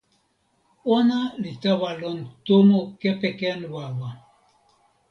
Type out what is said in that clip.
ona li tawa lon tomo kepeken wawa.